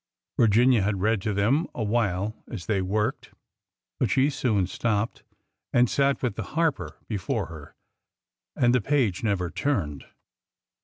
Virginia had read to them a while as they worked, but she soon stopped, and sat with the Harper '' before her, and the page never turned.